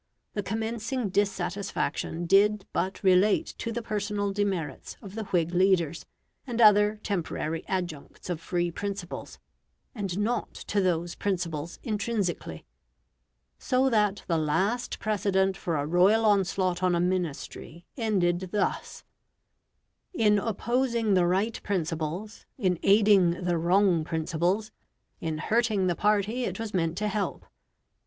The commencing dissatisfaction did but relate to the personal demerits of the Whig leaders, and other temporary adjuncts of free principles, and not to those principles intrinsically. So that the last precedent for a royal onslaught on a Ministry ended thus: in opposing the right principles, in aiding the wrong principles, in hurting the party it was meant to help.